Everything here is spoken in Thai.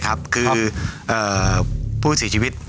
ครับก็จากงานสับปะเหลอโลก